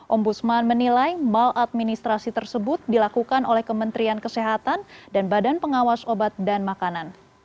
ombudsman menilai maladministrasi tersebut dilakukan oleh kementerian kesehatan dan badan pengawas obat dan makanan